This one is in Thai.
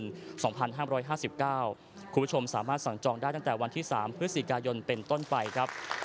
คุณผู้ชมสามารถสั่งจองได้ตั้งแต่วันที่๓พฤศจิกายนเป็นต้นไปครับ